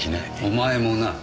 お前もな。